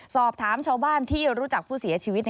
สอบถามชาวบ้านที่รู้จักผู้เสียชีวิต